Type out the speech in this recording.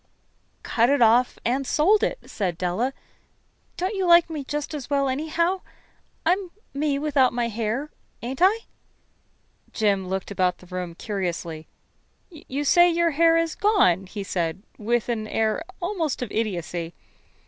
"Cut it off and sold it," said Della. "Don't you like me just as well, anyhow? I'm me without my hair, ain't I?" Jim looked about the room curiously. "You say your hair is gone?" he said, with an air almost of idiocy.